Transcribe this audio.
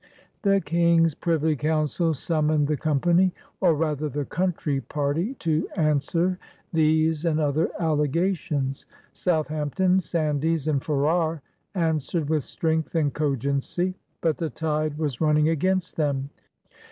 The King's Privy Council summoned the Com pany, or rather the "country" party, to answer these and other all^ations. Southampton, Sandys, and Ferrar answered with strength and cogency. But the tide was running against them.